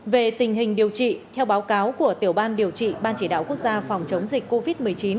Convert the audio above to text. về tình hình điều trị theo báo cáo của tiểu ban điều trị ban chỉ đạo quốc gia phòng chống dịch covid một mươi chín